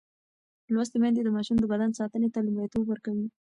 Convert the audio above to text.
لوستې میندې د ماشوم د بدن ساتنې ته لومړیتوب ورکوي.